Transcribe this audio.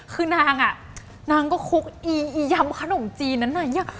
คือนางก็คลุกอียำขนมจีนนั้น